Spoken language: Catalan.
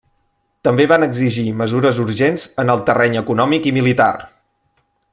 També van exigir mesures urgents en el terreny econòmic i militar.